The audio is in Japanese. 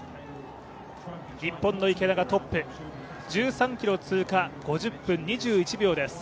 日本の池田がトップ、１３ｋｍ通過５０分２１秒です。